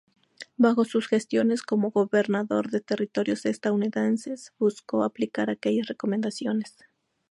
Bajo sus gestiones como gobernador de territorios estadounidenses buscó aplicar aquellas recomendaciones.